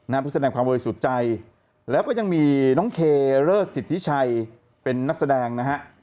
นักแสดงความเวรสุดใจแล้วก็ยังมีน้องเคเลิศศิษฐิชัยเป็นนักแสดงนะฮะ